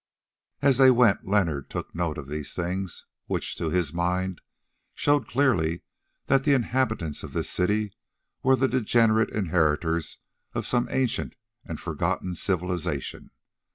As they went Leonard took note of these things, which, to his mind, showed clearly that the inhabitants of this city were the degenerate inheritors of some ancient and forgotten civilisation.